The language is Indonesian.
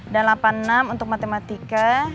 dan delapan puluh enam untuk matematika